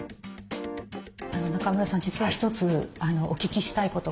中村さん実は一つお聞きしたいことがあって。